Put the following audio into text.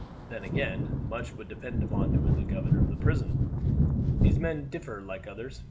Then again much would depend upon who was the governor of the prison. These men differ like others.